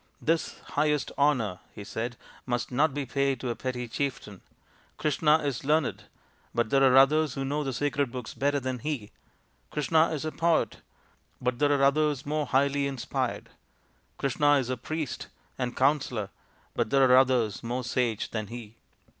" This highest honour," he said, " must not be paid to a petty chieftain. Krishna is learned, but there are others who know the sacred books better than he. Krishna is a poet, but there are others more highly inspired. Krishna is a priest and counsellor, but there are others more sage than he."